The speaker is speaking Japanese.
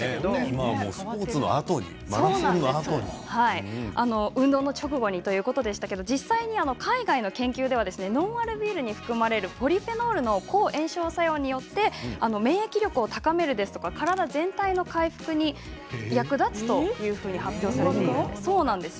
今はスポーツのあとに運動の直後ということですが実際に海外の研究ではノンアルビールに含まれるポリフェノールの抗炎症作用によって免疫力を高める体全体の回復に役立つというふうに発表されているんです。